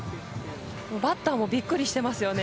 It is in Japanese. バッターもびっくりしてますよね。